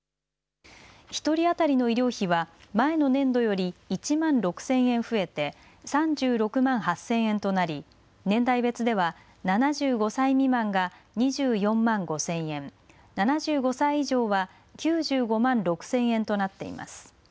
１人当たりの医療費は前の年度より１万６０００円増えて３６万８０００円となり年代別では７５歳未満が２４万５０００円、７５歳以上は９５万６０００円となっています。